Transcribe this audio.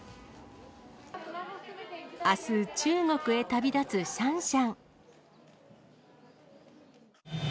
あす、中国へ旅立つシャンシャン。